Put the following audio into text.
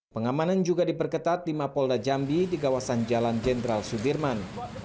pengamanan juga diperketat di mapolda jambi di kawasan jalan jenderal sudirman